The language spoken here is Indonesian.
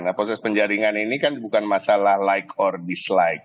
nah proses penjaringan ini kan bukan masalah like or dislike